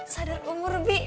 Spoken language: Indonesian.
sadar umur bi